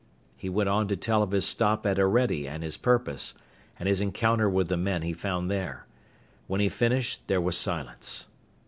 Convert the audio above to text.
He went on to tell of his stop at Orede and his purpose, and his encounter with the men he found there. When he finished there was silence.